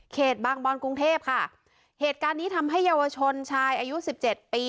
บางบอนกรุงเทพค่ะเหตุการณ์นี้ทำให้เยาวชนชายอายุสิบเจ็ดปี